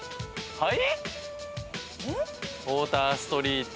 はい。